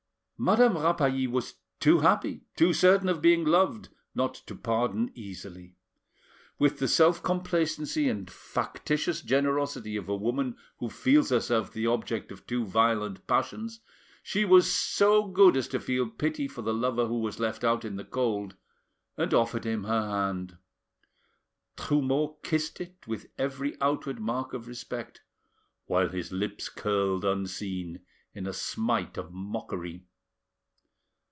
Madame Rapally was too happy, too certain of being loved, not to pardon easily. With the self complacency and factitious generosity of a woman who feels herself the object of two violent passions, she was so good as to feel pity for the lover who was left out in the cold, and offered him her hand. Trumeau kissed it with every outward mark of respect, while his lips curled unseen in a smite of mockery.